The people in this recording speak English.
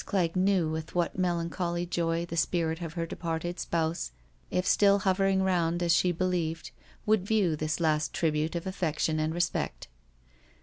Clegg knew with what melancholy joy the spirit of her departed spouse, if still hovering round as she believed, would view this last tribute of affection and respect.